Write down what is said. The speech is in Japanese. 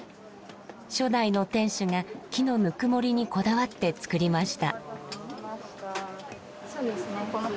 初代の店主が木のぬくもりにこだわってつくりました。